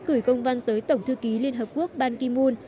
người công văn tới tổng thư ký liên hợp quốc ban ki moon